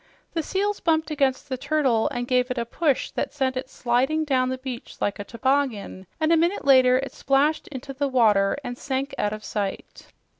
The seals bumped against the turtle and gave it a push that sent it sliding down the beach like a toboggan, and a minute later it splashed into the water and sank out of sight.